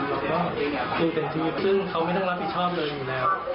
ที่คือเป็นชีวิตซึ่งเค้ามันต้องรับผิดชอบเลยอยู่แล้ว